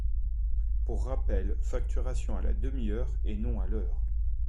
Pour rappel, facturation à la ½ heure et non à l’heure.